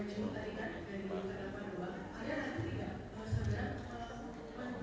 tidak pernah saya menyatakan